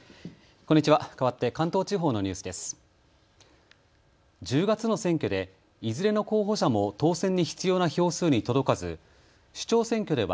こんにちは。